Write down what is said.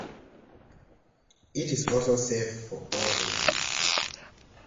It is also safe for all ages.